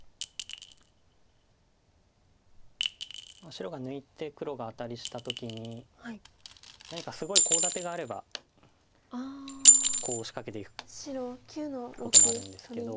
白が抜いて黒がアタリした時に何かすごいコウ立てがあればコウを仕掛けていくこともあるんですけど。